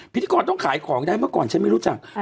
พิธีกรต้องขายของได้เมื่อก่อนฉันไม่รู้จัก